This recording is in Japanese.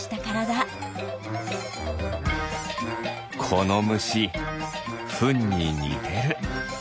このむしフンににてる。